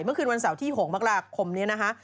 เมื่อคืนวันเสาร์ที่๖มกราคมนี้นะคะ